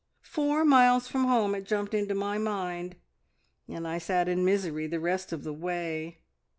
Four miles from home it jumped into my mind, and I sat in misery the rest of the way.